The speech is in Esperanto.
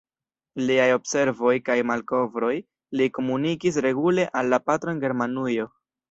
Liaj observoj kaj malkovroj li komunikis regule al la patro en Germanujo.